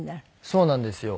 そうなんですよ。